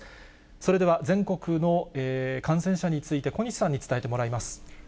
それでは全国の感染者について、小西さんに伝えてもらいます。